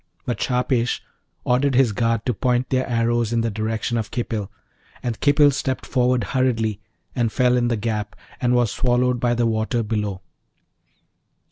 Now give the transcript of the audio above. But Shahpesh ordered his guard to point their arrows in the direction of Khipil, and Khipil stepped forward hurriedly, and fell in the gap, and was swallowed by the water below.